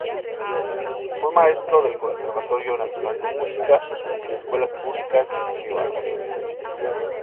Fue maestro del Conservatorio Nacional de Música y de escuelas públicas y privadas.